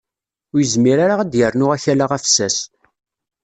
Ur yezmir ara ad yernu akala afessas.